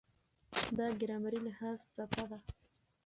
دا ګرامري لحاظ څپه ده.